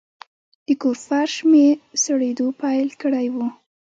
د کور فرش مې سړېدو پیل کړی و.